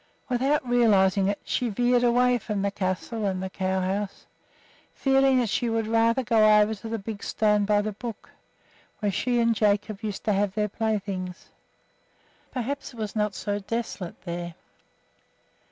Without realizing it she veered away from the castle and the cow house, feeling that she would rather go over to the big stone by the brook, where she and Jacob used to have their playthings. Perhaps it was not so desolate there.